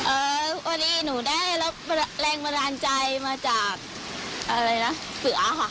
พอดีหนูได้รับแรงบันดาลใจมาจากอะไรนะเสือค่ะ